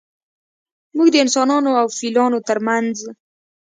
موږ د انسانانو او فیلانو ترمنځ